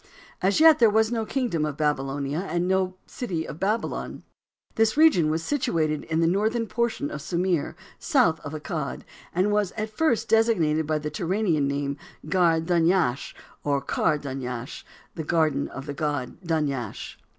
As yet there was no kingdom of Babylonia, and no city of Babylon. This region was situated in the northern portion of Sumir, south of Accad, and was at first designated by the Turanian name, "Gar Dunyash," or "Kar Dunyash," the "Garden of the god, Dunyash."